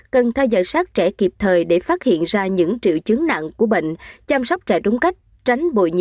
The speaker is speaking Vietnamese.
cần theo dõi sát trẻ kịp thời để phát hiện ra những triệu chứng nặng của bệnh chăm sóc trẻ đúng cách tránh bội nhiễm cơ hội